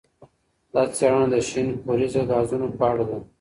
دا څېړنه د شین کوریزه ګازونو په اړه ده.